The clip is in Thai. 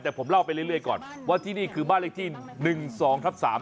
แต่ผมเล่าไปเรื่อยก่อนว่าที่นี่คือบ้านเลขที่๑๒ทับ๓